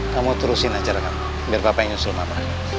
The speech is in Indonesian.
kamu terusin aja rekam biar papa yang nyusul mama